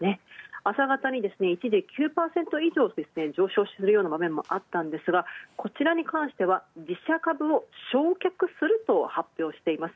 朝方に一時、９％以上上昇するような場面もありましたがこちらに関しては自社株を消却すると発表しています。